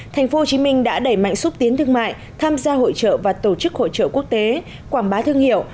thành phố hồ chí minh đã đẩy mạnh xúc tiến thương mại tham gia hội trợ và tổ chức hội trợ quốc tế quảng bá thương hiệu